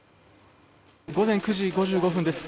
午前９時５５分です。